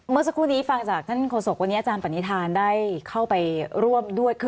เมื่อสักครู่นี้ฟังจากท่านโศกวันนี้อาจารย์ปณิธานได้เข้าไปร่วมด้วย